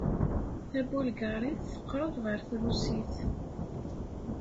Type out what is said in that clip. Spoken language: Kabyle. Tabulgaṛit teqreb ɣer trusit.